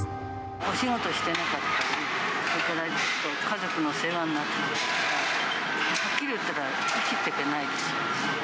お仕事してなかったり、それから家族の世話にならなかったら、はっきり言ったら生きてけないです。